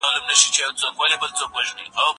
زه پرون مړۍ وخوړله!